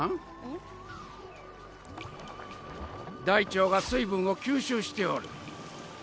大腸が水分を吸収しておる。